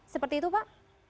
seperti itu pak